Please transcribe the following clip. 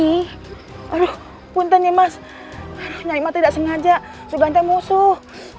aduh bantah ya mas nyai ma tidak sengaja sudah ganteng musuh